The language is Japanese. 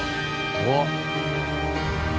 うわっ！